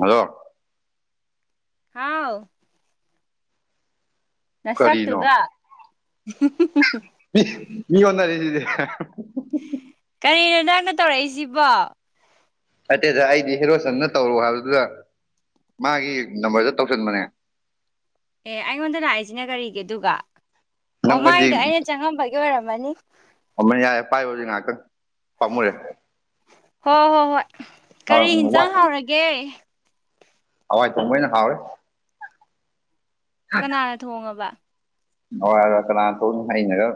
Hello ꯍꯥꯎ ꯀꯔꯤꯅꯣ ꯅꯁꯛꯇꯨꯒ ꯏꯁ ꯃꯤ ꯑꯣꯟꯅꯔꯦꯁꯤꯗꯤ ꯀꯔꯤꯅꯣ ꯅꯪꯅ ꯇꯧꯔꯛꯏꯁꯤꯕꯣ ꯅꯠꯇꯦꯗ ꯑꯩꯗꯤ ꯍꯦꯔꯣꯆꯟꯅ ꯇꯧꯔꯛꯑꯣ ꯍꯥꯏꯕꯗꯨꯗ ꯃꯥꯒꯤ ꯅꯝꯕꯔꯗ ꯇꯧꯁꯟꯕꯅꯦ ꯑꯦ ꯑꯩꯉꯣꯟꯗ ꯂꯥꯛꯏꯁꯤꯅ ꯀꯔꯤꯒꯤ ꯑꯗꯨꯒ ꯑꯣ ꯃꯥꯒꯤꯗꯣ ꯅꯪꯅꯗꯤ ꯑꯩꯅ ꯆꯪꯉꯝꯕꯒꯤ ꯑꯣꯏꯔꯝꯃꯅꯤ ꯄꯥꯏꯌꯣ ꯑꯗꯨꯗꯤ ꯉꯩꯍꯥꯛꯇꯪ ꯍꯣꯏ ꯍꯣꯏ ꯍꯣꯏ ꯀꯔꯤ ꯌꯦꯟꯁꯥꯡ ꯍꯋꯥꯏ ꯍꯥꯎꯔꯒꯦ ꯑꯋꯥꯏ ꯊꯣꯡꯕ ꯑꯣꯏꯅꯥ ꯍꯥꯎꯔꯦ ꯀꯅꯥꯅ ꯊꯣꯡꯉꯥꯕ ꯍꯋꯥꯏꯒ ꯀꯅꯥ ꯊꯣꯡꯅꯤ ꯑꯩꯅ ꯑꯗꯨꯝ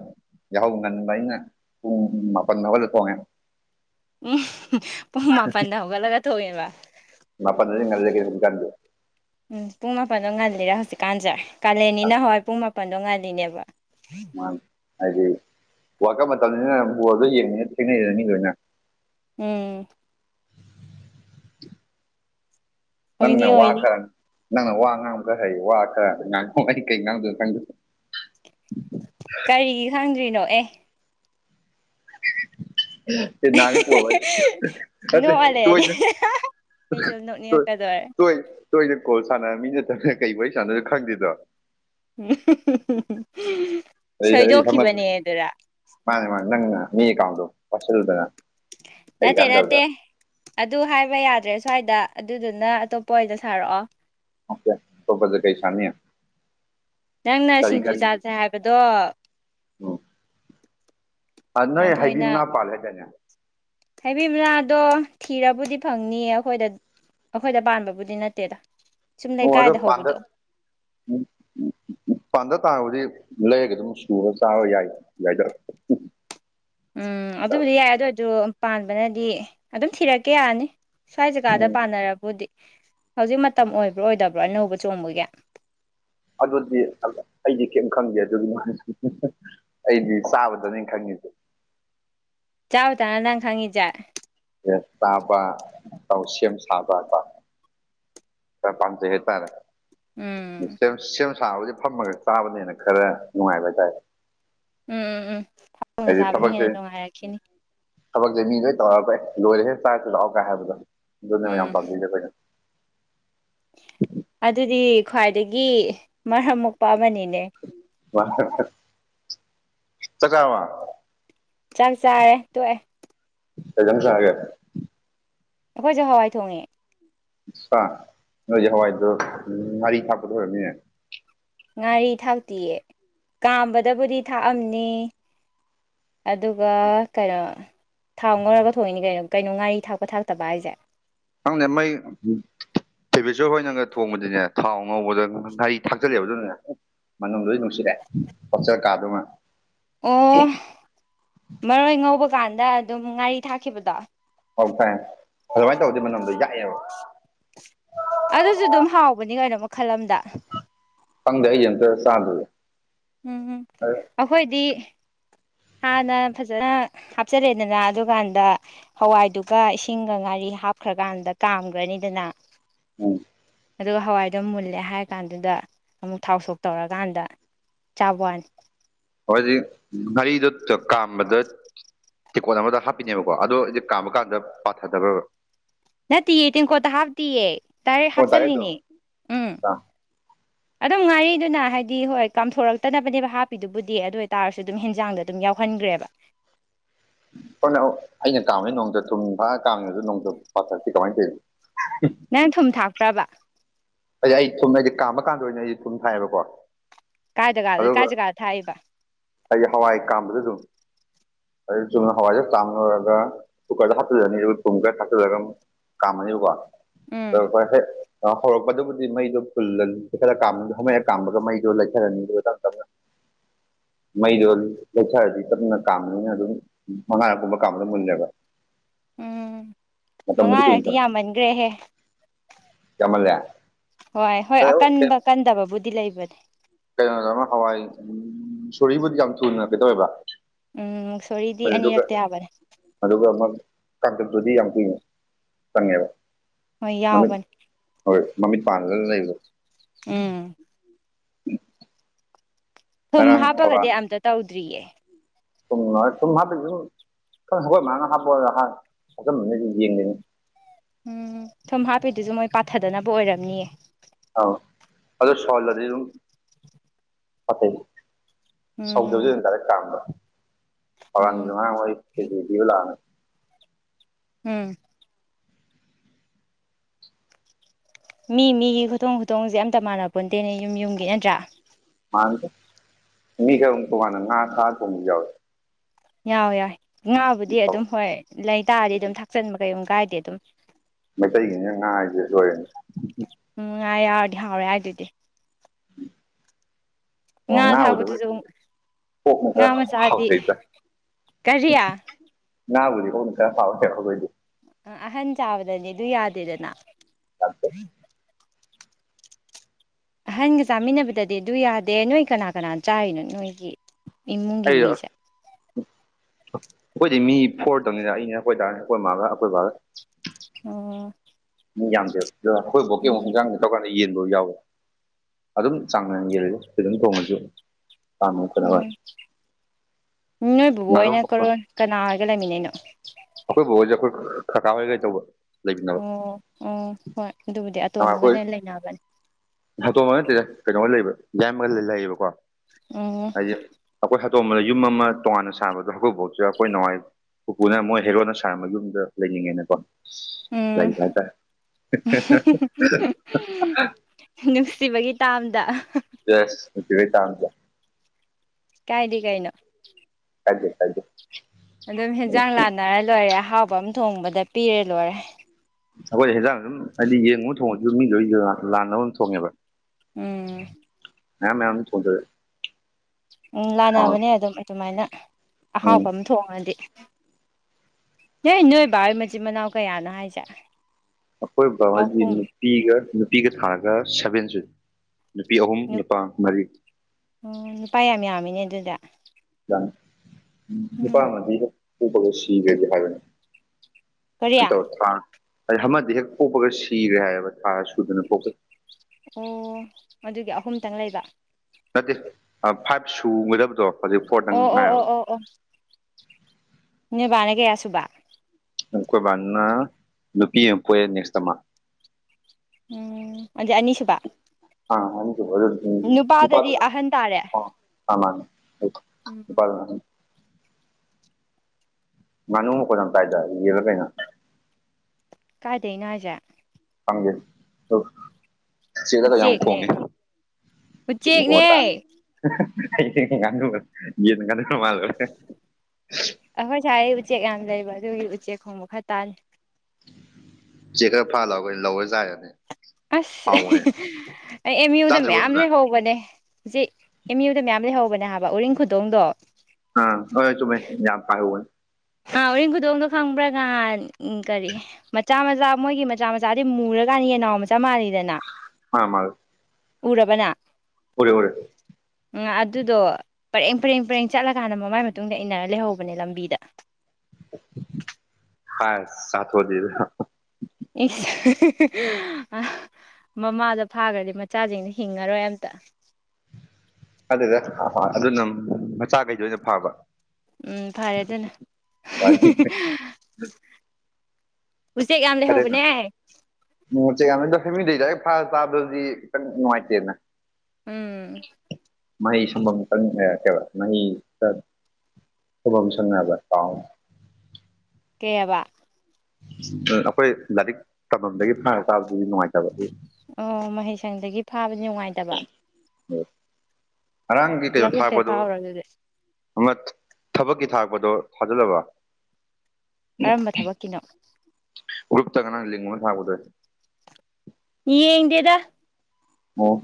ꯌꯥꯍꯧ ꯉꯟꯕ ꯑꯩꯅ ꯄꯨꯡ ꯃꯥꯄꯟꯗ ꯍꯧꯒꯠꯂꯒ ꯊꯣꯡꯉꯦ ꯄꯨꯡ ꯃꯥꯄꯟꯗ ꯍꯧꯒꯠꯂꯒ ꯊꯣꯡꯉꯤꯕ ꯃꯄꯥꯟꯗꯗꯤ ꯉꯜꯂꯧ ꯀꯩꯅꯦ ꯍꯧꯖꯤꯛꯀꯥꯟꯗꯤ ꯎꯝ ꯄꯨꯡ ꯃꯥꯄꯜꯗꯣ ꯉꯜꯂꯤꯔꯦ ꯍꯧꯖꯤꯛꯀꯥꯟꯁꯦ ꯀꯥꯂꯦꯟꯅꯤꯅ ꯍꯣꯏ ꯄꯨꯡ ꯃꯥꯄꯜꯗꯣ ꯉꯜꯂꯤꯅꯦꯕ ꯃꯥꯅꯤ ꯍꯥꯏꯗꯤ ꯋꯥꯜ ꯀꯞ ꯃꯇꯝꯅꯤꯅ ꯕꯣꯜꯗꯣ ꯌꯦꯡꯕꯅꯤꯅ ꯊꯦꯡꯅꯩꯗꯅ ꯃꯤ ꯂꯣꯏꯅ ꯎꯝ ꯑꯣꯏꯅꯤ ꯅꯪꯅ ꯋꯥ ꯑꯣꯏꯅꯤ ꯈꯔ ꯅꯪꯅ ꯋꯥ ꯉꯥꯡꯕ ꯈꯔ ꯍꯩ ꯋꯥ ꯈꯔ ꯉꯥꯡꯉꯣ ꯑꯩꯗꯤ ꯀꯩ ꯉꯥꯡꯗꯣꯏꯅꯣ ꯈꯪꯗꯦ ꯀꯔꯤꯒꯤ ꯈꯪꯗ꯭ꯔꯤꯅꯣ ꯑꯦ ꯅꯥꯍꯟꯒꯩ ꯀꯣꯂ ꯋꯥꯔꯤ ꯁꯥꯟꯅꯕ ꯅꯠꯇꯦ ꯅꯣꯛꯑ ꯂꯩꯔꯗꯤ ꯇꯣꯏꯅ ꯑꯩꯁꯨ ꯅꯣꯛꯅꯤꯡꯉꯛꯀꯗꯣꯔꯦ ꯇꯣꯏ ꯇꯣꯏꯅ ꯀꯣꯜ ꯁꯥꯟꯅꯖ ꯅꯠꯇꯕꯅꯤꯅ ꯀꯩ ꯋꯥꯔꯤ ꯁꯥꯟꯗꯣꯏꯅꯣ ꯈꯪꯗꯦꯗꯣ ꯑꯩ ꯑꯩ ꯍꯃꯗꯨ ꯁꯣꯏꯗꯣꯛꯈꯤꯕꯅꯦ ꯑꯗꯨꯔ ꯃꯥꯅꯦ ꯃꯥꯅꯦ ꯅꯪꯅ ꯃꯤ ꯑꯦꯀꯥꯎꯟꯗꯣ ꯄꯥꯏꯁꯤꯜꯂꯨꯗꯅ ꯅꯠꯇꯦ ꯅꯠꯇꯦ ꯑꯗꯨ ꯍꯥꯏꯕ ꯌꯥꯗ꯭ꯔꯦ ꯁ꯭ꯋꯥꯏꯗ ꯑꯗꯨꯗꯨꯅ ꯑꯇꯣꯞꯄ ꯑꯣꯏꯅ ꯁꯥꯔꯛꯑꯣ ꯑꯇꯣꯞꯄꯁꯦ ꯀꯔꯤ ꯁꯥꯅꯤ ꯅꯪꯅ ꯁꯤꯡꯖꯨ ꯆꯥꯁꯦ ꯍꯥꯏꯕꯗꯣ ꯎꯝ ꯅꯣꯏ ꯍꯩꯕꯤ ꯅꯥꯟꯊꯣꯏꯅ ꯃꯅꯥ ꯄꯥꯜꯂꯦ ꯍꯥꯏꯗꯥꯏꯅꯦ ꯍꯩꯕꯤ ꯃꯅꯥꯗꯣ ꯊꯤꯔꯕꯨꯗꯤ ꯐꯪꯅꯤꯌꯦ ꯑꯩꯈꯣꯏꯗ ꯑꯩꯈꯣꯏꯗ ꯄꯥꯟꯕꯕꯨꯗꯤ ꯅꯠꯇꯦꯗ ꯁꯨꯝ ꯑꯣ ꯑꯗꯣ ꯂꯩꯀꯥꯏꯗ ꯄꯥꯟꯗ ꯍꯧꯕꯗꯣ ꯎꯝ ꯄꯥꯟꯗ ꯇꯥꯔꯕꯨꯗꯤ ꯂꯩꯔꯒ ꯑꯗꯨꯝ ꯁꯨꯔ ꯆꯥꯕ ꯌꯥꯏ ꯌꯥꯏꯗꯅ ꯎꯝ ꯑꯗꯨꯕꯨꯗꯤ ꯌꯥꯏ ꯑꯗꯨ ꯑꯣꯏꯁꯨ ꯄꯥꯟꯕꯅꯗꯤ ꯑꯗꯨꯝ ꯊꯤꯔꯛꯀꯦ ꯌꯥꯔꯅꯤ ꯁ꯭ꯋꯥꯏ ꯖꯒꯥꯥꯗ ꯄꯥꯟꯅꯔꯕꯨꯗꯤ ꯍꯧꯖꯤꯛ ꯃꯇꯝ ꯑꯣꯏꯕ꯭ꯔꯣ ꯑꯣꯏꯗꯕ꯭ꯔꯣ ꯑꯅꯧꯕ ꯆꯣꯡꯕꯒꯤ ꯑꯗꯨꯗꯤ ꯑꯩꯗꯤ ꯀꯔꯤꯝ ꯈꯪꯗꯦ ꯑꯗꯨꯒꯤ ꯑꯩꯗꯤ ꯆꯥꯕꯗꯅꯤ ꯈꯪꯉꯤꯁꯤ ꯆꯥꯕ ꯇꯥꯅ ꯅꯪ ꯈꯪꯉꯤꯁꯦ ꯌꯦꯟ ꯇꯥꯕ ꯇꯥꯎ ꯁꯦꯝ ꯁꯥꯕ ꯄꯥꯛ ꯈꯔꯥ ꯄꯥꯝꯖꯩ ꯍꯥꯏꯇ꯭ꯥꯔꯦ ꯎꯝ [unintelligible] ꯁꯦꯝ ꯁꯥꯕꯨꯗꯤ ꯐꯝꯃꯒ ꯆꯥꯕꯅꯦꯅ ꯈꯔ ꯅꯨꯡꯉꯥꯏꯕ ꯍꯥꯏꯇꯥ꯭ꯔꯦ ꯎꯝ ꯎꯝ ꯎꯝ ꯊꯕꯛꯅ ꯍꯥꯏꯗꯤ ꯆꯥꯕꯅ ꯊꯕꯛꯁꯦ ꯍꯦꯟꯅ ꯅꯨꯡꯉꯥꯏꯔꯛꯈꯤꯅꯤ ꯊꯕꯛꯁꯦ ꯃꯤ ꯂꯣꯏ ꯇꯧꯔ ꯑꯩꯈꫭꯏ ꯂꯣꯏꯔꯦꯍꯦ ꯆꯥꯔꯁꯦ ꯂꯥꯛꯑꯣ ꯀꯥꯏ ꯍꯥꯏꯕꯗꯣ ꯑꯗꯨꯅꯦ ꯎꯝ ꯃꯌꯥꯝ ꯄꯥꯝꯖꯩꯁꯦ ꯑꯩꯈꯣꯏꯅ ꯑꯗꯨꯗꯤ ꯈ꯭ꯋꯥꯏꯗꯒꯤ ꯃꯔꯝ ꯃꫭꯛꯄ ꯑꯃꯅꯤꯅꯦ ꯆꯥꯛ ꯆꯥꯔꯕꫭ ꯆꯥꯛ ꯆꯥꯔꯦ ꯇꯣꯛꯑꯦ ꯀꯩ ꯏꯟꯁꯥꯡ ꯆꯥꯒꯦ ꯑꯩꯈꯣꯏꯁꯨ ꯍꯋꯥꯏ ꯊꯣꯡꯉꯦ ꯅꯣꯏꯁꯦ ꯍꯋꯥꯏꯗꯣ ꯉꯥꯔꯤ ꯊꯥꯛꯄꯗꯨ ꯑꫭꯏꯔꯝꯅꯤꯅꯦ ꯉꯥꯔꯤ ꯊꯥꯛꯇꯤꯌꯦ ꯀꯥꯝꯕꯗꯕꯨꯗꯤ ꯊꯥꯛꯑꯝꯅꯤ ꯑꯗꯨꯒ ꯀꯩꯅꯣ ꯊꯥꯎ ꯉꯧꯔꯒ ꯊꯣꯛꯏꯅꯤ ꯀꯩꯅꯣ ꯀꯩꯅꯣ ꯉꯥꯔꯤ ꯊꯥꯛꯄ ꯊꯥꯛꯇꯕ ꯍꯥꯏꯁꯦ ꯈꯪꯗꯦ ꯃꯩ ꯗꯦꯚꯦꯁꯣꯔ ꯍꯣꯏꯅꯒ ꯊꯣꯡꯕꯗꯤꯅꯦ ꯊꯥꯎ ꯉꯧꯕꯗ ꯉꯥꯔꯤ ꯊꯥꯛꯆꯜꯂꯦꯕ ꯑꯗꯨꯅꯅꯦ ꯃꯅꯨꯡ ꯂꯣꯏ ꯅꯨꯡꯁꯤꯔꯦ ꯍꯣꯁꯇꯦꯜ ꯀꯥꯗꯨꯃꯥ ꯑꯣ ꯃꯔꯣꯏ ꯉꯧꯕꯀꯥꯟꯗ ꯑꯗꯨꯝ ꯉꯥꯔꯤ ꯊꯥꯛꯈꯤꯕꯗꯣ ꯑꯥꯎ ꯇꯥꯏ ꯑꯗꯨꯃꯥꯏ ꯇꯧꯔꯗꯤ ꯃꯅꯝꯗꯣ ꯌꯥꯥꯛꯑꯦꯕ ꯑꯗꯨꯁꯨ ꯑꯗꯨꯝ ꯍꯥꯎꯕꯅꯤ ꯀꯩꯅꯣ ꯃꯈꯜ ꯑꯃꯗ ꯈꯪꯗꯦ ꯑꯩꯗꯤ ꯑꯝꯇ ꯆꯥꯗꯤꯌꯦ ꯎꯝ ꯎꯝ ꯑꯩꯈꯣꯏꯗꯤ ꯍꯥꯟꯅ ꯐꯖꯅ ꯍꯥꯞꯆꯜꯔꯦꯗꯅ ꯑꯗꯨꯀꯥꯟꯗ ꯍꯋꯥꯏꯗꯨꯒ ꯏꯁꯤꯡꯒ ꯉꯥꯔꯤ ꯍꯥꯞꯈ꯭ꯔꯥ ꯀꯥꯟꯗ ꯀꯥꯝꯈ꯭ꯔꯥꯅꯤꯗꯅ ꯎꯝ꯫ ꯑꯗꯨꯒ ꯍꯋꯥꯏꯗꯣ ꯃꯨꯜꯂꯦ ꯍꯥꯏꯔ ꯀꯥꯟꯗꯨꯗ ꯑꯃꯨꯛ ꯊꯥꯎ ꯁꯣꯛ ꯇꯧꯔꯀꯥꯟꯗ ꯆꯥꯕꫭꯟ ꯍꯧꯖꯤꯛ ꯉꯥꯔꯤꯗꯣ ꯆ ꯀꯥꯝꯕꯗ ꯇꯤꯀꯣꯠ ꯑꯃꯗ ꯍꯥꯞꯄꯤꯅꯦꯕꯀꯣ ꯑꯗꯣ ꯍꯥꯏꯗꯤ ꯀꯥꯝꯕ ꯀꯥꯟꯗ ꯄꯥꯊꯗꯕ꯭ꯔꯥꯕ ꯅꯠꯇꯦꯌꯦ ꯇꯦꯡꯀꯣꯠꯇ ꯍꯥꯞꯇꯤꯌꯦ ꯗꯥꯏꯔꯦꯛ ꯑꯣ ꯑꯗꯨꯝ ꯍꯥꯞꯆꯜꯂꯤꯅꯦ ꯎꯝ [inaudible] ꯑꯗꯨꯝ ꯉꯥꯔꯤꯗꯨꯅ ꯍꯥꯏꯗꯤ ꯍꯣꯏ ꯀꯥꯝꯊꯣꯔꯛꯇꯅꯕꯅꯦꯕ ꯍꯥꯞꯄꯤꯗꯨꯕꯨꯗꯤ ꯑꯗꯨ ꯑꯣꯏꯇꯥꯔꯁꯨ ꯑꯗꯨꯝ ꯍꯦꯟꯖꯥꯡꯗ ꯑꯗꯨꯝ ꯌꯥꯎꯍꯟꯈ꯭ꯔꯦꯕ ꯍꯣꯏꯅ ꯑꫭ ꯑꯩꯅ ꯀꯥꯝꯃꯗꯤ ꯅꯣꯡꯇ ꯊꯨꯝ ꯊꯥꯛ ꯀꯥꯝꯃꯥꯁꯨ ꯅꯣꯡꯇ ꯄꯥꯊꯔꯛꯇꯦ ꯀꯃꯥꯏ ꯇꯧꯔꯤꯅꯣ ꯅꯪ ꯊꯨꯝ ꯊꯥꯛꯄ꯭ꯔꯥꯕ ꯑ ꯑꯩ ꯊꯨꯝ ꯍꯥꯏꯗꯤ ꯀꯥꯝꯃꯥ ꯀꯥꯟꯗ ꯑꯣꯏꯅ ꯑꯩꯁꯦ ꯊꯨꯝ ꯊꯥꯛꯑꯦꯕꯀꯣ ꯀꯥꯏ ꯖꯒꯥꯗ ꯀꯥꯏ ꯖꯒꯥꯗ ꯊꯥꯛꯏꯕ ꯍꯥꯏꯗꯤ ꯍꯋꯥꯏ ꯀꯥꯝꯕꯗꫭ ꯑꯗꯨꯝ ꯑꯗꯩ ꯆꯨꯝꯅ ꯍꯋꯥꯏꯁꯦ ꯀꯥꯝ ꯂꯣꯏꯔꯒ ꯀꯨꯀꯔꯗ ꯍꯥꯞꯆꯤꯜꯂꯅꯤ ꯑꯗꯨꯒ ꯊꯨꯝ ꯈꯔ ꯊꯞꯆꯜꯂꯒ ꯑꯃꯨꯛ ꯀꯝꯃꯅꯤꯕꯀꫭ ꯎꯝ ꯑꯥ ꯍꫭꯏ ꯍꫭꯏ ꯑꯥ ꯍꯧꯔꯛꯄꯗꯕꯨꯗꯤ ꯃꯩꯗꯣ ꯐꯜꯂꯗ ꯈꯔ ꯀꯥ ꯃꯅꯨꯡꯗ ꯍꯝꯃꯦ ꯀꯥꯝꯕꯒ ꯃꯩ ꯌꫭ ꯂꯩꯊ꯭ꯔꯥꯅꯤ ꯑꯗꯨꯒ ꯇꯥꯞ ꯇꯥꯞꯅꯥ ꯃꯩꯗꯣ ꯂꯩꯊ꯭ꯔꯥꯗꯤ ꯇꯥꯞꯅ ꯀꯥꯝꯕꯅꯤꯅ ꯑꯗꯨꯝ ꯃꯅꯥꯀꯕ ꯀꯃꯔ ꯄꯨꯖꯒ ꯎꯝ ꯀꯨꯏꯅ ꯃꯉꯥꯔꯛꯇꯤ ꯌꯥꯝꯃꯟꯈ꯭ꯔꯦꯍꯦ ꯀꯃꯜꯂꯦ ꯍꯣꯏ ꯍꯣꯏ ꯑꯀꯟꯕ ꯀꯟꯗꯕꯕꯨꯗꯤ ꯂꯩꯕꯅꯦ ꯀꯩꯅꯣ ꯍꯋꯥꯏ ꯁꯣꯔꯤꯕꯨꯗꯤ ꯌꯥꯝ ꯊꯨꯅ ꯀꯩꯗꯧꯋꯦꯕ ꯎꯝ ꯁꯣꯔꯤꯗꯤ ꯃꯨꯜꯂꯦ ꯑꯗꯨꯒ ꯑꯅꯤꯔꯛꯇ ꯌꯥꯕꯅꯦ ꯑꯗꯨꯒ ꯑꯃꯨꯛ ꯀꯥꯟꯇꯛꯇꯨꯗꯤ ꯌꯥꯝ ꯀꯨꯏꯅ ꯆꯪꯉꯦꯕ꯫ ꯍꯣꯏ ꯃꯃꯤꯠ ꯌꯥꯎꯕꯅꯦ ꯍꯣꯏ ꯃꯃꯤꯠ ꯄꯥꯂꯒ ꯂꯩꯕ__ ꯎꯝ꯫ ꯇꯨꯝ ꯉꯔꯥꯡ ꯊꯧꯔꯥ ꯍꯥꯞꯄꯒꯗꯤ ꯑꯝꯇ ꯇꯧꯗ꯭ꯔꯤꯌꯦ꯫ ꯊꯨꯝ ꯊꯨꯝ ꯍꯥꯞꯄꯤꯖꯨ ꯍꯒꯣꯏ ꯃꯥꯡꯅ ꯍꯥꯞꯄꯍ ꯍꯥꯆꯟꯁꯨ ꯌꯦꯡꯗꯣꯏꯅꯤ꯫ ꯎꯝ ꯊꯨꯝ ꯍꯥꯞꯄꯤꯗꯨꯁꯨ ꯃꯣꯏ ꯄꯥꯊꯗꯅꯕ ꯑꯣꯏꯔꯝꯅꯤꯌꯦ꯫ ꯑꯧ ꯑꯗꯨ ꯁꯣꯂꯗꯤ ꯗꯨꯝ ꯄꯥꯊꯩ꯫ ꯁꯧꯗꯖꯨ ꯎꯝ ꯏꯟꯗꯥꯏꯔꯦꯛ ꯀꯥꯝꯕ ꯎꯝ [unintelligible] ꯀꯦꯖꯤ ꯄꯤꯕ ꯂꯥꯛꯑꯅꯤ꯫ ꯎꯝ꯫ ꯃꯤ ꯃꯤꯒꯤ ꯈꯨꯊꯣꯡ ꯈꯨꯗꯣꯡꯁꯦ ꯑꯝꯇ ꯃꯥꯟꯅ ꯄꯨꯟꯇꯦꯅꯦ ꯌꯨꯝ ꯌꯨꯝꯒꯤ ꯅꯠꯇ꯭ꯔꯥ꯫ ꯃꯥ ꯃꯤꯈꯃꯨꯛ ꯇꯣꯉꯥꯟꯅ ꯉꯥ ꯊꯥꯑ ꯊꯣꯡꯕꯖꯨ ꯌꯥꯎꯑꯦ꯫ ꯌꯥꯎꯏ ꯌꯥꯎꯏ ꯉꯥꯕꯨꯗꯤ ꯑꯗꯨꯝ ꯍꯣꯏ ꯂꯩꯇꯥꯥꯔꯗꯤ ꯑꯗꯨꯝ ꯊꯥꯛꯆꯟꯕ ꯀꯩꯒꯨꯝ ꯀꯥꯏꯗꯦ ꯑꯗꯨꯝ꯫ ꯃꯩꯇꯩꯒꯤꯅ ꯉꯅꯥ ꯍꯥꯏꯖꯤꯗ ꯂꯣꯏꯔꯦꯅꯦ꯫ ꯎꯝ ꯉꯥ ꯌꯥꯎꯔꯗꯤ ꯍꯥꯎꯔꯦ ꯍꯥꯏꯗꯨꯗꯤ꯫ ꯑꯣ ꯉꯥ ꯊꯥꯛꯄꯗꯨꯁꯨ ꯉꯥꯕꯨꯗꯕꯨꯗꯤ ꯑꯣꯛꯅ ꯉꯥ ꯈꯔ ꯃꯆꯥꯗꯤ ꯍꯥꯎꯖꯩꯗ ꯀꯔꯤꯌꯥ꯫ [unintelligible] ꯑ ꯑꯍꯟ ꯆꯥꯕꯗꯗꯤ ꯑꯗꯨ ꯌꯥꯗꯦꯗꯅ꯫ [unintelligible] ꯑꯍꯟꯒ ꯆꯥꯃꯤꯟꯅꯕꯗꯗꯤ ꯑꯗꯨ ꯌꯥꯗꯦ ꯅꯣꯏ ꯀꯅꯥ ꯀꯅꯥ ꯆꯥꯔꯤꯅꯣ ꯅꯣꯏꯒꯤ꯫ ꯏꯃꯨꯡꯒꯤ ꯑꯩꯗꯣ꯫ ꯃꯤꯁꯦ ꯈꯣꯏꯗꯤ ꯃꯤ ꯐꯣꯔꯗꯪꯅꯤꯗ ꯑꯩꯅꯦ ꯈꯣꯏꯗꯥꯅꯦ ꯈꯣꯏ ꯃꯥꯒ ꯈꯣꯏ ꯕꯥꯒ꯫ ꯑꯣ꯫ ꯃꯤ ꯌꯥꯝꯗꯦꯕ ꯗꯣ ꯈꯣꯏꯕꯣꯛꯀꯤ ꯑꯃꯨꯛ ꯎꯝ ꯍꯤꯟꯖꯥꯡꯗ__ ꯇꯧꯀꯥꯟꯗ ꯌꯦꯟꯕ ꯌꯥꯎꯋꯦ ꯑꯗꯨꯝ ꯆꯥꯡꯅꯥꯏꯅ ꯌꯦꯜꯂꯒ ꯑꯗꯨꯝ ꯇꯣꯡꯉꯁꯨ꯫ ꯎꯝ ꯅꯣꯏ ꯉꯥꯅꯨ ꯕꯣꯕꯣꯑꯣꯏꯅ ꯀꯔꯣꯟ ꯑꯩꯈꯣꯏ ꯀꯅꯥꯑꯣꯏꯒ ꯂꯩꯃꯤꯟꯅꯩꯅꯣ꯫ ꯑꯩꯈꯣꯏ ꯕꯣꯕꯣꯁꯦ ꯑꯩꯈꯣꯏ ꯀꯀꯥ ꯍꯣꯏ ꯂꯩꯗꯧꯕ꯫ ꯑꯣ ꯑꯣ ꯍꯣꯏ ꯑꯗꯨꯕꯨꯗꯤ ꯑꯇꯣꯝꯕꯒ ꯑꯩꯈꯣꯏ ꯗ ꯂꯩꯅꯕꯅꯦ꯫ ꯍꯥꯇꯣꯝꯕ ꯅꯠꯇꯦꯗ ꯀꯩꯅꯣ ꯂꯩꯕ ꯌꯥꯏꯃꯒ ꯂꯩꯌꯦꯕꯀꯣ ꯎꯝ ꯍꯥꯏꯗꯤ__ ꯑꯩꯈꯣꯏ ꯍꯥꯇꯣꯝꯕꯗ ꯌꯨꯝ ꯑꯃ ꯇꯣꯉꯥꯟꯅ ꯁꯥꯕꯗꯣ ꯈꯣꯏꯕꯣꯁꯨ ꯌꯥꯎ ꯈꯣꯏ ꯅꯋꯥꯏ ꯄꯨꯄꯨꯅ ꯃꯣꯏ__ ꯍꯦꯔꯣ ꯅ ꯁꯥꯥꯔꯝꯕ ꯌꯨꯝꯗꯣ ꯂꯩꯅꯤꯡꯉꯦꯅꯀꯣ__ ꯎꯝ ꯂꯩꯕ ꯫ ꯅꯨꯡꯁꯤꯕꯒꯤ ꯇꯥꯝꯗ꯫ ꯌꯦꯁ ꯅꯨꯄꯤꯔꯩ ꯇꯥꯝꯆꯥ꯫ ꯁ꯭ꯇꯥꯏꯗꯤ ꯀꯩꯅꯣ꯫ ꯀꯥꯏꯗꯦ ꯀꯥꯏꯗꯦ꯫ ꯑꯗꯨꯝ ꯍꯦꯟꯖꯥꯡ ꯂꯥꯟꯅꯔ ꯂꯣꯏꯔꯦ ꯑꯍꯥꯎꯕ ꯑꯃ ꯊꯣꯡꯕꯗ ꯄꯤꯔ ꯂꯣꯏꯔꯦ꯫ ꯑꯩꯈꯣꯏ ꯍꯩꯖꯥꯡ ꯑꯗꯨꯝ ꯍꯥꯏꯗꯤ ꯌꯦꯡꯉꯨ ꯊꯣꯡꯉꯁꯨ ꯃꯤꯂꯣꯏ ꯂꯥꯟꯅꯕ ꯑꯗꯨꯝ ꯊꯣꯡꯉꯦꯕ꯫ ꯎꯝ꯫ ꯑ ꯃꯌꯥꯝ ꯊꯣꯡꯗꯣꯑꯦ꯫ ꯎꯝ ꯂꯥꯟꯅꯕꯅꯦ ꯑꯗꯨꯝ ꯑꯗꯨꯃꯥꯏꯅ ꯎꯝ ꯑꯍꯥꯎꯕ ꯑꯃ ꯊꯣꯡꯉꯗꯤ ꯅꯣꯏ ꯅꯣꯏ ꯕꯥ ꯍꯣꯏ ꯃꯆꯤꯟ ꯃꯅꯥꯎ ꯀꯌꯥꯅꯣ ꯍꯥꯏꯁꯦ ꯑꯩꯈꯣꯏ ꯕꯥ ꯍꯣꯏꯗꯤ ꯑꯍꯨꯝ ꯅꯨꯄꯤꯒ ꯅꯨꯄꯤꯒ ꯊꯥꯔꯒ ꯁꯚꯦꯟ ꯁꯨꯨꯏ ꯅꯨꯄꯤ ꯑꯍꯨꯝ ꯅꯨꯄꯥ ꯃꯔꯤ ꯑꯣ ꯅꯨꯄꯥ ꯌꯥꯝ ꯌꯥꯝꯃꯤꯅꯦ ꯑꯗꯨꯗꯤ [inaudible] ꯅꯨꯄꯥ ꯎꯝ ꯑꯃ ꯅꯨꯄꯤꯒ ꯄꯣꯛꯄꯒ ꯁꯤꯈ꯭ꯔꯦꯗꯤ ꯍꯥꯏꯕꯅꯦ ꯀꯔꯤ ꯀꯩ ꯇꯧꯔꯛꯄ [inaudible] ꯑꯃꯗꯤ ꯍꯦꯛ ꯄꯣꯛꯄꯒ ꯁꯤꯔꯦ ꯍꯥꯏꯌꯦꯕ ꯊꯥ ꯁꯨꯗꯅ ꯄꯣꯛꯄꯒꯤ ꯑꯣ ꯑꯗꯨꯒꯤ ꯑꯍꯨꯝꯇꯪ ꯂꯩꯕ ꯅꯠꯇꯦ ꯐꯥꯏꯚ ꯁꯨꯒꯗꯕꯗꯣ ꯍꯧꯖꯤꯛ ꯐꯣꯔꯗꯪ ꯑꯣ ꯑꯣ ꯑꯣ ꯉꯥꯏꯔꯕ ꯑꯣ ꯑꯣ ꯅꯣꯏꯕꯥꯅ ꯀꯌꯥ ꯁꯨꯕ ꯑꯩꯈꯣꯏ ꯕꯥꯅ ꯅꯨꯄꯤ ꯑꯃ ꯄꯣꯛꯑꯦ ꯅꯦꯛꯁꯇ ꯃꯥ ꯎꯝ ꯑꯗꯤ ꯑꯅꯤꯁꯨꯕ ꯑ ꯑꯅꯤꯁꯨꯕ ꯑꯗꯨꯗꯨ ꯅꯨꯄꯥꯗꯗꯤ ꯑꯍꯟ ꯇꯥꯔꯦ ꯑꯥ ꯃꯥꯅꯦ ꯎꯝ ꯅꯨꯄꯥꯗꯨꯅ ꯉꯥꯅꯨ ꯃꯈꯣꯟ ꯌꯥꯝ ꯇꯥꯏꯗ ꯌꯦꯟꯔ ꯀꯩꯅ ꯀꯥꯗꯩꯅꯣ ꯍꯥꯏꯖꯦ ꯈꯪꯗꯦ [inaudible] ꯌꯥꯝ ꯎꯆꯦꯛꯅꯦ ꯈꯣꯡꯉꯦ ꯇꯨ ꯎꯆꯦꯛꯅꯦ ꯍꯤꯡꯒꯣꯟꯗ ꯑꯩꯈꯣꯏ ꯑꯩꯗꯤ ꯉꯥꯅꯨ ꯌꯦꯟ ꯉꯥꯅꯨꯒ ꯃꯥꯜꯂꯨꯔꯦ ꯑꯩꯈꯣꯏ ꯁ꯭ꯋꯥꯏ ꯎꯆꯦꯛ ꯌꯥꯝ ꯂꯩꯕ ꯑꯗꯨꯒꯤ ꯎꯆꯦꯛ ꯈꯣꯡꯕ ꯈꯔ ꯇꯥꯅꯤ ꯎꯆꯦꯛ ꯈꯔ ꯐꯥꯔ [inaudible] ꯂꯧꯔ ꯆꯥꯏꯅꯦ ꯑꯁ ꯑꯩ ꯑꯦꯝ ꯌꯨꯗ ꯆꯥꯗ꯭ꯔꯤꯕꯣ ꯃꯌꯥꯝ ꯑꯗꯨꯅ ꯂꯩꯍꯧꯕꯅꯦ ꯍꯧꯖꯤꯛ ꯑꯦꯝ ꯌꯨꯗ ꯃꯌꯥꯝ ꯂꯩꯍꯧꯕꯅꯦ ꯍꯥꯏꯕ ꯎꯔꯤꯡ ꯈꯨꯗꯣꯡꯗꯣ ꯑꯥ ꯍꯣꯏ ꯆꯨꯝꯃꯦ ꯌꯥꯝ ꯄꯥꯏꯍꯧꯕꯅꯦ ꯑꯥ ꯎꯔꯤꯡ ꯈꯨꯗꯣꯡꯗꯣ ꯈꯪꯕ꯭ꯔꯥ ꯅꯍꯥꯟ ꯀꯔꯤ ꯃꯆꯥ ꯃꯆꯥ ꯃꯣꯏꯒꯤ ꯃꯆꯥ ꯃꯆꯥꯗꯤ ꯃꯨꯔꯀꯥꯟꯗ ꯌꯦꯟꯅꯥꯎ ꯃꯆꯥ ꯃꯥꯜꯂꯤꯗꯅ ꯑ ꯃꯥꯜꯂꯦ ꯎꯔꯕ ꯅꯪ ꯎꯔꯦ ꯎꯔꯦ ꯎꯝ ꯑꯗꯨꯗꯣ ꯄꯔꯦꯡ ꯄꯔꯦꯡ ꯄꯔꯦꯡ ꯆꯠꯂꯀꯥꯟꯗ ꯃꯃꯥꯏ ꯃꯇꯨꯡꯗ ꯏꯟꯅꯔ ꯂꯩꯍꯧꯕꯅꯦ ꯂꯝꯕꯤꯗ ꯍꯥꯁ ꯆꯥꯊꯣꯛꯑꯖꯤꯔꯥ ꯏꯁ ꯃꯃꯥꯗꯣ ꯐꯥꯈ꯭ꯔꯗꯤ ꯃꯆꯥꯁꯤꯡꯗꯣ ꯍꯤꯡꯉꯔꯣꯏ ꯑꯝꯇ ꯅꯠꯇꯦꯗ ꯑꯗꯨꯅ ꯃꯆꯥꯖꯤꯡꯗꯣ ꯑꯣꯏꯅ ꯐꯥꯕ ꯎꯝ ꯐꯔꯦ ꯑꯗꯨꯅ ꯋꯥꯅꯤ ꯎꯆꯦꯛ ꯌꯥꯝ ꯑꯗꯨꯅ ꯂꯩꯍꯧꯕꯅꯦ [inaudible] ꯗꯥꯏꯔꯦꯛ ꯐꯥꯔ ꯆꯥꯕꯗꯨꯗꯤ ꯈꯤꯇꯪ ꯅꯨꯡꯉꯥꯏꯇꯦꯗꯅ ꯎꯝ ꯃꯍꯩ ꯁꯪꯐꯝ ꯁꯪ [inaudible] ꯃꯍꯩ ꯁꯨꯝꯐꯝ ꯁꯪ ꯍꯥꯏꯕ꯭ꯔꯥ ꯀꯥꯎꯔꯦ ꯀꯩ ꯑꯕꯥ ꯎꯝ ꯑꯩꯈꯣꯏ ꯂꯥꯏꯔꯤꯛ ꯇꯝꯐꯝꯗꯒꯤ ꯐꯥꯔ ꯆꯥꯕꯗꯨꯗꯤ ꯅꯨꯡꯉꯥꯏꯇꯕ ꯑꯗꯨꯏꯅꯦ ꯑꯣ ꯃꯍꯩꯁꯪꯗꯒꯤ ꯐꯥꯕꯗꯤ ꯅꯨꯡꯉꯥꯏꯇꯕ ꯑꯉꯥꯡꯒꯤ ꯀꯩꯅꯣ ꯂꯧꯕꯨꯛꯇꯩ ꯊꯥꯛꯔꯛꯄꯗꯣ ꯐꯥꯎꯔꯣ ꯑꯗꯨꯗꯤ ꯑꯃꯥ ꯊꯕꯛꯀꯤ ꯊꯥꯛꯔꯛꯄꯗꯣ ꯊꯥꯖꯜꯂꯕꯣ ꯀꯔꯝꯕ ꯊꯕꯛꯀꯤꯅꯣ ꯒꯨꯔꯞꯇ ꯉꯔꯡ ꯂꯤꯡ ꯑꯃꯥ ꯊꯔꯛꯄꯗꯣꯍꯦ ꯌꯦꯡ ꯗꯦꯗꯥ ꯑꯣ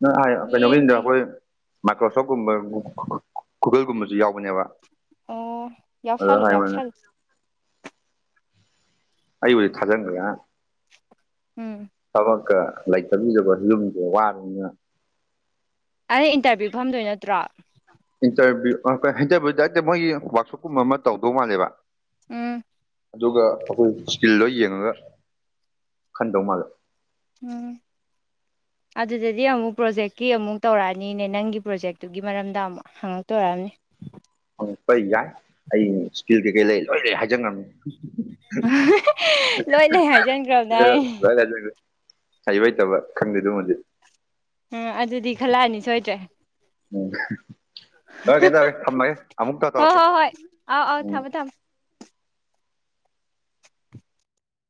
ꯅꯪ ꯑꯥꯏ ꯀꯩꯅꯣꯒꯤꯅꯤꯗ ꯌꯦꯡꯗ꯭ꯔꯤ ꯑꯩꯈꯣꯏ ꯃꯥꯏꯀ꯭ꯔꯣꯁꯣꯞꯀꯨꯝꯕ ꯒꯨꯒꯜꯒꯨꯝꯕꯁꯨ ꯌꯥꯎꯕꯅꯦꯕ ꯑꯣ ꯑꯣ ꯑꯗ ꯌꯥꯎꯁꯜꯂꯨ ꯍꯥꯏꯕꯅꯦ ꯌꯥꯎꯁꯜꯂꯨ ꯑꯩꯕꯨꯗꯤ ꯊꯥꯖꯟꯒ꯭ꯔꯦ ꯉꯔꯥꯡ ꯎꯝ ꯊꯕꯛꯀ ꯂꯩꯇꯝꯖꯤꯗꯀꯣ ꯌꯨꯝꯖꯨ ꯃꯨꯛ ꯋꯥꯅꯤꯅ ꯑꯩ ꯏꯟꯇꯔꯚꯤꯌꯨ ꯐꯝꯗꯣꯏ ꯅꯠꯇ꯭ꯔꯣ ꯏꯟꯇꯔꯚꯤꯌꯨ [unintelligible] ꯅꯠꯇꯦ ꯃꯣꯏꯒꯤ ꯋꯥ꯭ꯔꯛꯁꯣꯞꯀꯨꯝꯕ ꯑꯃ ꯇꯧꯗꯧ ꯃꯥꯜꯂꯦꯕ ꯎꯝ ꯑꯗꯨꯒ ꯑꯩꯈꯣꯏ ꯏꯁꯀꯤꯜ ꯂꯣꯏ ꯌꯦꯡꯉꯒ ꯈꯟꯗꯧ ꯃꯥꯜꯂꯦ ꯎꯝ ꯑꯗꯨꯗꯗꯤ ꯑꯃꯨꯛ ꯄ꯭ꯔꯣꯖꯦꯛꯀꯤ ꯑꯃꯨꯛ ꯇꯧꯔꯛꯑꯅꯤꯅꯦ ꯅꯪꯒꯤ ꯄ꯭ꯔꯣꯖꯦꯛꯇꯨꯒꯤ ꯃꯔꯝꯗ ꯑꯃꯨꯛ ꯍꯥꯡ ꯉꯥꯛꯇꯣꯏ ꯑꯣꯏꯔꯝꯅꯤ ꯍꯪꯉꯛꯄ ꯌꯥꯏ ꯑꯩ ꯏꯁꯀꯤꯜ ꯀꯩꯀꯩ ꯂꯩ ꯂꯣꯏ ꯂꯩ ꯍꯥꯏꯖꯟꯒ꯭ꯔꯝꯃꯤ ꯂꯣꯏꯅꯥ ꯂꯩ ꯍꯥꯏꯖꯟꯒ꯭ꯔꯝꯅꯦ ꯍꯥꯏ [inaudible] ꯍꯩꯕ ꯍꯩꯇꯕ ꯈꯪꯗꯦ ꯑꯗꯨꯝꯃꯗꯤ ꯎꯝ ꯑꯗꯨꯗꯤ ꯈꯜꯂꯛꯑꯅꯤ ꯁꯣꯏꯗ꯭ꯔꯦ ꯎꯝ [unintelligible] ꯊꯥꯝꯃꯒꯦ ꯑꯃꯨꯛ ꯀꯛ ꯇꯧ ꯍꯣꯏ ꯇꯧꯔꯛꯀꯦ ꯍꯣꯏ ꯍꯣꯏ ꯑꯥꯎ ꯑꯥꯎ ꯎꯝ ꯊꯝꯃꯣ ꯊꯝꯃꯣ